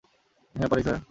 হ্যাঁ, পারি স্যার।